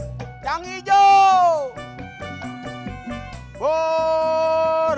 saya gak mau beli bubur